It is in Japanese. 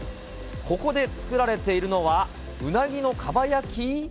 ここで作られているのは、うなぎのかば焼き？